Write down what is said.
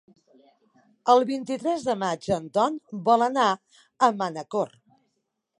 El vint-i-tres de maig en Ton vol anar a Manacor.